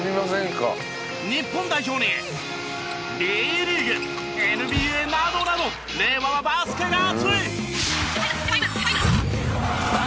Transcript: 日本代表にＢリーグＮＢＡなどなど令和はバスケが熱い！